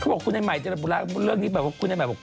เขาบอกคุณให้ใหม่เจรนภูระเรื่องนี้แบบว่าคุณให้ใหม่บอก